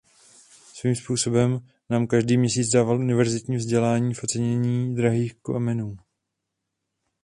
Svým způsobem nám každý měsíc dával univerzitní vzdělání v ocenění drahých kamenů.